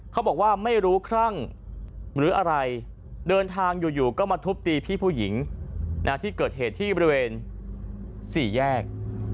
เขาบอกว่าไม่รู้ครั่งหรืออะไรเดินทางอยู่ก็มาทุบตีพี่ผู้หญิงที่เกิดเหตุที่บริเวณสี่แยก